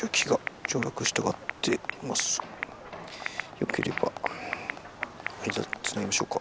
よければ間をつなぎましょうか？」。